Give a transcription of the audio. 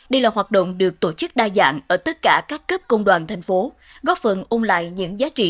đây là hoạt động được tổ chức đa dạng ở tất cả các cấp công đoàn thành phố góp phần ôn lại những giá trị